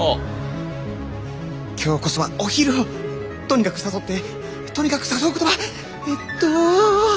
今日こそはお昼をとにかく誘ってとにかく誘う言葉えっと。